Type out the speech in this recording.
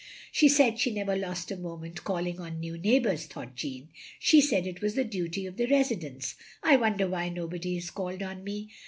" She said she never lost a moment calling on new neighbours," thought Jeanne, "she said it was the duty of the residents. I wonder why nobody has called on me.